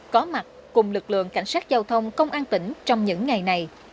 có mặt cùng lực lượng cảnh sát giao thông công an tỉnh trong những ngày này